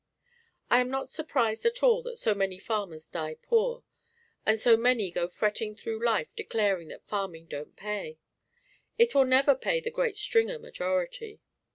I am not surprised at all that so many farmers die poor, and so many go fretting through life declaring that farming don't pay. It will never pay the great "Stringer" majority.